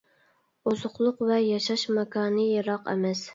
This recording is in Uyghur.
ئوزۇقلۇق ۋە ياشاش ماكانى يىراق ئەمەس.